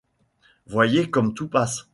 Voyez comme tout passe !